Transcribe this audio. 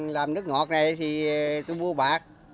làm nước ngọt này thì tôi mua bạc